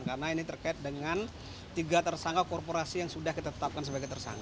karena ini terkait dengan tiga tersangka korporasi yang sudah kita tetapkan sebagai tersangka